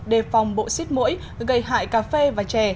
đề phòng bộ xít mũi gây hại cà phê và chè